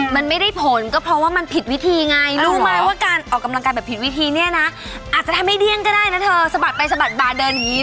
มันไม่ได้ผลก็เพราะว่ามันผิดวิธีไงรู้ไหมว่าการออกกำลังกายแบบผิดวิธีเนี่ยนะอาจจะทำให้เดี้ยงก็ได้นะเธอสะบัดไปสะบัดมาเดินอย่างนี้